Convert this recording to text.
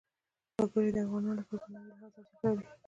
وګړي د افغانانو لپاره په معنوي لحاظ ارزښت لري.